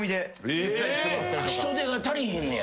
人手が足りひんねや。